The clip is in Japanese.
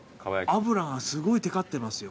脂がすごいてかってますよ。